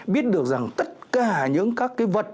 biết được rằng tất cả những các cái vật